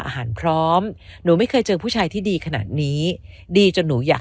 พร้อมหนูไม่เคยเจอผู้ชายที่ดีขนาดนี้ดีจนหนูอยาก